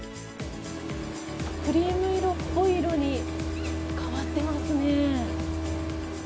クリーム色っぽい色に変わっていますね。